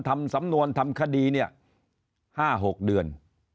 ทำสำนวนทำคดีเนี่ย๕๖เดือน